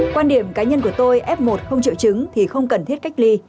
quan điểm cá nhân của tôi f một không triệu chứng thì không cần thiết cách ly